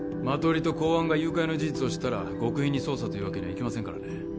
マトリと公安が誘拐の事実を知ったら極秘に捜査というわけにはいきませんからね